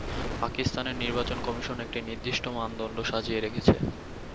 পাকিস্তানের নির্বাচন কমিশন একটি নির্দিষ্ট মানদণ্ড সাজিয়ে রেখেছে।